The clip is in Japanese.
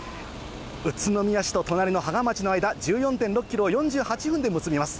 宇都宮市と隣の芳賀町の間、１４．６キロを４８分で結びます。